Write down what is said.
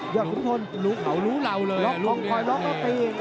ยอดขุมพลเขารู้เราเลยล็อกล็อกล็อกล็อกตี